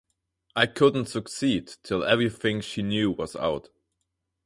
I couldn’t succeed till everything she knew was out.